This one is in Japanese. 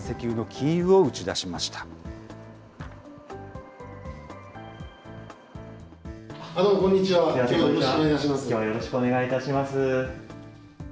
きょうはよろしくお願いいたします。